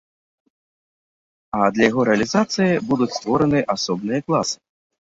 А для яго рэалізацыі будуць створаны асобныя класы.